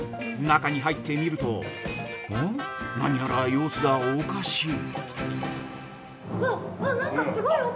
◆中に入ってみると何やら様子がおかしい。